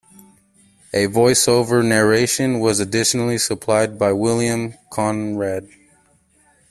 A voiceover narration was additionally supplied by William Conrad.